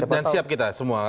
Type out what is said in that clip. jadi siap kita semua